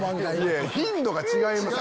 頻度が違います。